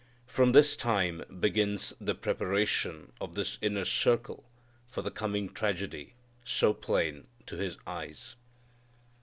From this time begins the preparation of this inner circle for the coming tragedy so plain to His eyes.